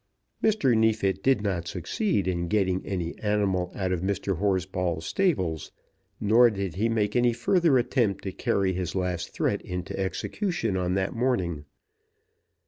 Mr. Neefit did not succeed in getting any animal out of Mr. Horsball's stables, nor did he make further attempt to carry his last threat into execution on that morning.